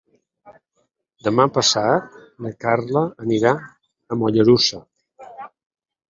Demà passat na Carla anirà a Mollerussa.